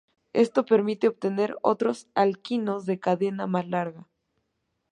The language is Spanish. Esto permite obtener otros alquinos de cadena más larga.